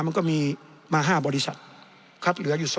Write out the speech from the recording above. มันก็มีมา๕บริษัทครับเหลืออยู่๒